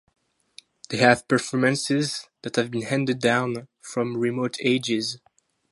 They have performances that have been handed down from remote ages.